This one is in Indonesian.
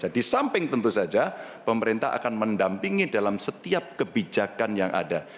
di samping tentu saja pemerintah akan mendampingi dalam setiap kebijakan yang ada